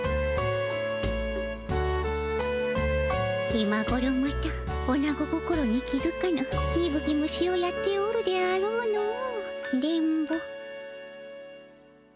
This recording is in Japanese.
今ごろまたオナゴ心に気づかぬにぶき虫をやっておるであろうの電ボ。